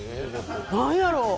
何やろう？